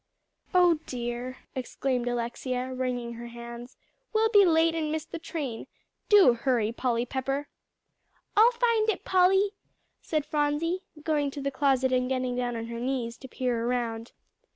"Oh dear!" exclaimed Alexia, wringing her hands, "we'll be late and miss the train. Do hurry, Polly Pepper." "I'll find it, Polly," said Phronsie, going to the closet and getting down on her knees, to peer around.